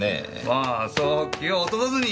まあそう気を落とさずに！